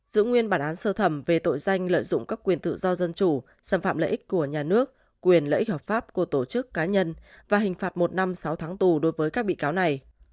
giữ nguyên bản án sơ thẩm về tội danh lợi dụng các quyền tự do dân chủ xâm phạm lợi ích của nhà nước quyền lợi ích hợp pháp của tổ chức cá nhân và hình phạt một năm sáu tháng tù đối với các bị cáo này